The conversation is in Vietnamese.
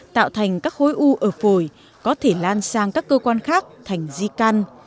tạo thành các khối u ở phổi có thể lan sang các cơ quan khác thành di căn